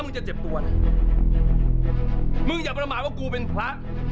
มึงอย่าประมาทว่ากูเป็นพระ